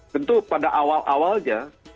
tentu pada awal awalnya